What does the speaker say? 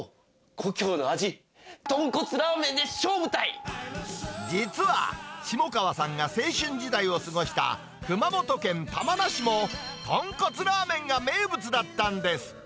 故郷の味、実は、下川さんが青春時代を過ごした熊本県玉名市も、とんこつラーメンが名物だったんです。